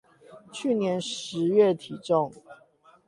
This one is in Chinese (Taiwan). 去年十月體重